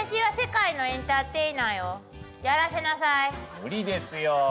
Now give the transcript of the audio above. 無理ですよ